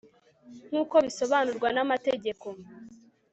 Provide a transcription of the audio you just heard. nk uko bisobanurwan amategeko